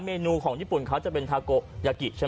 เมนูของญี่ปุ่นเขาจะเป็นทาโกยากิใช่ไหม